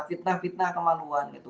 fitnah fitnah kemaluan gitu